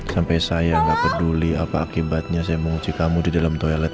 sampai saya nggak peduli apa akibatnya saya mengunci kamu di dalam toilet